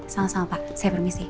sama sama pak saya permisi